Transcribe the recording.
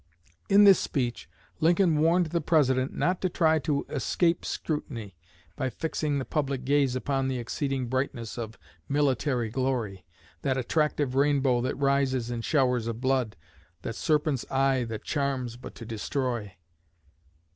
In this speech Lincoln warned the President not to try to "escape scrutiny by fixing the public gaze upon the exceeding brightness of military glory that attractive rainbow that rises in showers of blood, that serpent's eye that charms but to destroy."